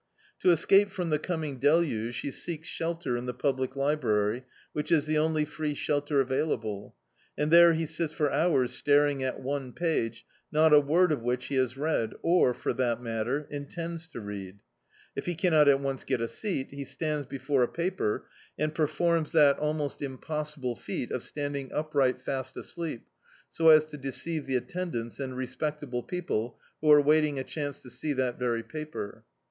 To es cape from the coming deluge he seeks shelter in the public library, which is the only free shelter availa ble ; and there he sits for hours staring at one page, not a word of which he has read or, for that matter, intends to read. If he cannot at once get a seat, he stands before a paper and performs that almost D,i.,.db, Google The Autobiography of a Super Tramp impossible feat of standing upright fast asleep, so as to deceive the attendants, and respectable people who are waiting a chance to see that very paper.